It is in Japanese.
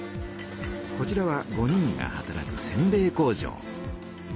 こちらは５人が働くせんべい工場。